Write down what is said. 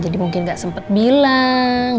jadi mungkin gak sempet bilang